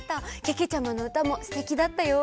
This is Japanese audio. けけちゃまのうたもすてきだったよ！